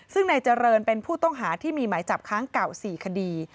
ซึ่งนายเจริญเป็นผู้ต้องหาที่มีหมายจับค้างเก่า๔คดี